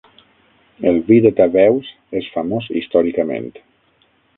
El vi de Tavèus és famós històricament.